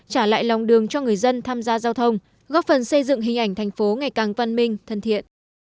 trả lại lòng đường cho người dân tham gia giao thông góp phần xây dựng hình ảnh thành phố ngày càng văn minh thân thiện